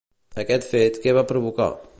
Aquest fet, què va provocar?